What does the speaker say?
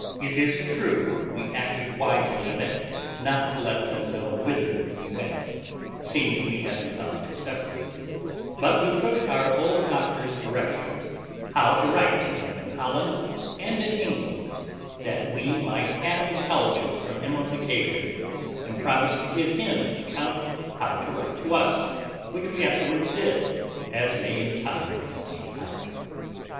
It is true we acted wisely in it not to let them know whither we went, seeing we had resolved to separate; but we took our old doctor's directions how to write to him in Holland, and in England, that we might have intelligence from him on occasion, and promised to give him an account how to write to us, which we afterwards did, as may in time be made out.